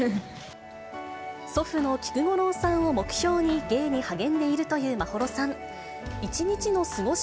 祖父の菊五郎さんを目標に芸に励んでいるという眞秀さん。